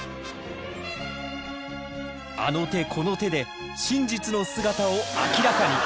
あの手この手で真実の姿を明らかに！